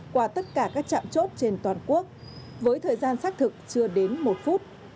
qua tất cả các trạm chốt trên toàn quốc với thời gian xác thực chưa đến một phút